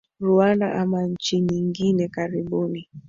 rwanda ama nchi nyingine karibuni